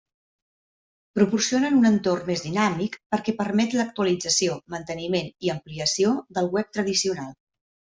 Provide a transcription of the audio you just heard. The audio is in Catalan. Proporcionen un entorn més dinàmic perquè permet l’actualització, manteniment i ampliació del web tradicional.